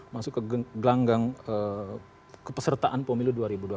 masuk ke gelanggang kepesertaan pemilu dua ribu dua puluh